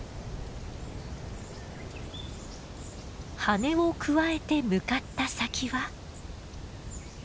羽根をくわえて向かった先は。